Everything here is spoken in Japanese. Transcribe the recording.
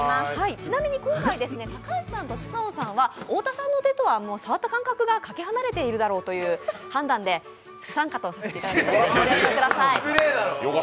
ちなみに今回、高橋さんと志尊さんは太田さんの手とは触った感じがかけ離れているだろうということで不参加とさせていただきますので、ご了承ください。